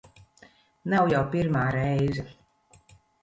Nav jau pirmā reize.